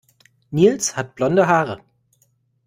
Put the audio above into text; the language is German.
Nils hat blonde Haare.